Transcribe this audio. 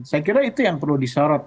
saya kira itu yang perlu disorot